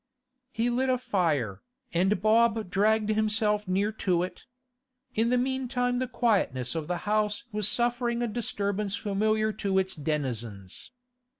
He lit a fire, and Bob dragged himself near to it. In the meantime the quietness of the house was suffering a disturbance familiar to its denizens.